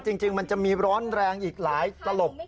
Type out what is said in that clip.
จริงมันจะมีร้อนแรงอีกหลายตลก